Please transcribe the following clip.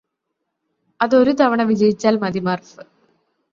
അത് ഒരു തവണ വിജയിച്ചാല് മതി മര്ഫ്